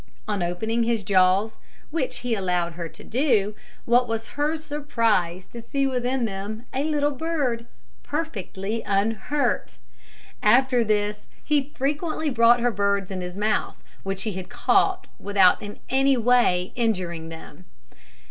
On opening his jaws, which he allowed her to do, what was her surprise to see within them a little bird, perfectly unhurt! After this he very frequently brought her birds in his mouth, which he had caught without in any way injuring them.